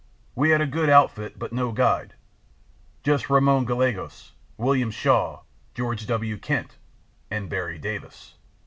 We had a good outfit but no guide—just Ramon Gallegos, William Shaw, George W. Kent and Berry Davis."